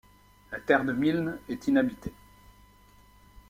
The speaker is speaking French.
La Terre de Milne est inhabitée.